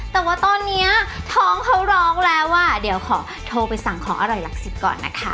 แต่ว่าตอนนี้ท้องเขาร้องแล้วอ่ะเดี๋ยวขอโทรไปสั่งของอร่อยหลักสิบก่อนนะคะ